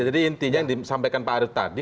jadi intinya yang disampaikan pak arief tadi